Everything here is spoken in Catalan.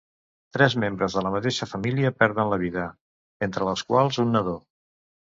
Tres membres de la mateixa família perden la vida, entre les quals un nadó.